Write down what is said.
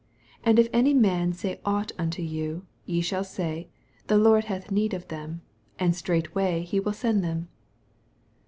8 And if any man say ought unto you, ye shall say. The Lord hath need of them; and straightway he will •end them.